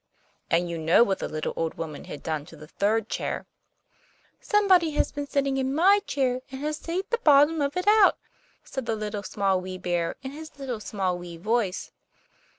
And you know what the little old woman had done to the third chair. 'Somebody has been sitting in my chair, and has sate the bottom of it out!' said the Little, Small, Wee Bear, in his little, small, wee voice.